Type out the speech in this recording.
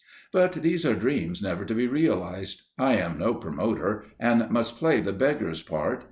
But these are dreams never to be realized. I am no promoter, and must play the beggar's part.